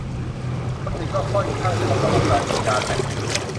ก่อนอื่นก็ค่อนข้างชมระบบการจัดการนะ